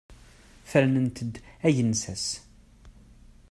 Fernen-t d agensas.